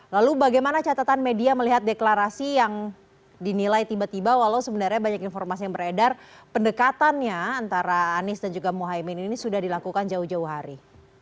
lalu bagaimana catatan media melihat deklarasi yang dinilai tiba tiba walau sebenarnya banyak informasi yang beredar pendekatannya antara anies dan juga mohaimin ini sudah dilakukan jauh jauh hari